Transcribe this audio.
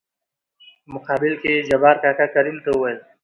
په مقابل کې يې جبار کاکا کريم ته وويل :